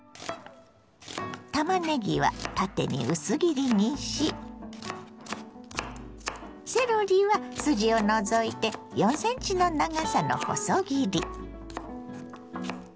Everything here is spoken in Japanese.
たまねぎは縦に薄切りにしセロリは筋を除いて４ｃｍの長さの細切り。